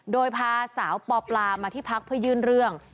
โดยพาสาวปปลามาที่พักเพื่อยื่นเรื่อง